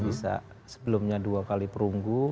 bisa sebelumnya dua kali perunggu